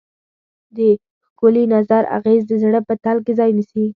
د ښکلي نظر اغېز د زړه په تل کې ځای نیسي.